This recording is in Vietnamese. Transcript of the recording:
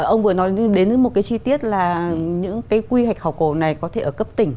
ông vừa nói đến một cái chi tiết là những cái quy hoạch khảo cổ này có thể ở cấp tỉnh